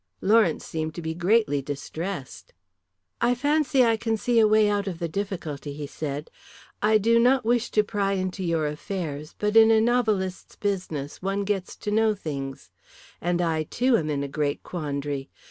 Lawrence seemed to be greatly distressed. "I fancy I can see a way out of the difficulty," he said. "I do not wish to pry into your affairs, but in a novelist's business one gets to know things. And I, too, am in a great quandary.